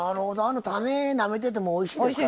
種、なめててもおいしいですからね。